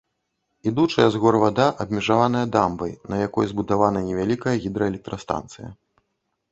Ідучая з гор вада абмежаваная дамбай, на якой збудавана невялікая гідраэлектрастанцыя.